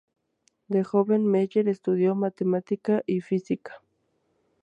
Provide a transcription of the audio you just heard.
De joven, Meyer estudió matemática y física.